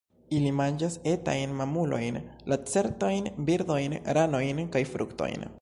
Ili manĝas etajn mamulojn, lacertojn, birdojn, ranojn kaj fruktojn.